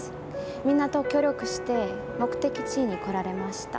みんなと協力して目的地に来られました。